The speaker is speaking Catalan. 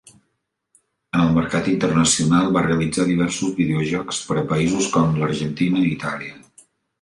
En el mercat internacional, va realitzar diversos videojocs per a països com Argentina i Itàlia.